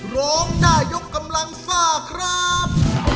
ร้องได้ยกกำลังซ่าครับ